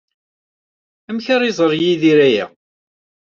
Amek ara iẓer Yidir aya?